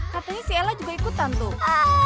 katanya si ella juga ikutan tuh